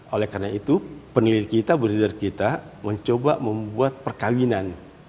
oleh karena itu peneliti kita breeder kita mencoba membuat perkawinan